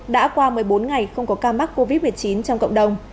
đã qua một mươi bốn ngày không có ca mắc covid một mươi chín trong cộng đồng